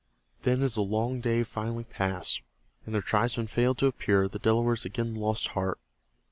Then as the long day finally passed and their tribesmen failed to appear the Delawares again lost heart.